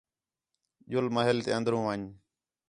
ڄُل محل تے اندر ون٘ڄ